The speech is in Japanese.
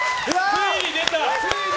ついに出た！